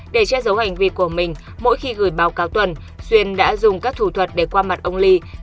để che giấu hành vi của mình mỗi khi gửi báo cáo tuần xuyên đã dùng các thủ thuật để qua mặt ông ly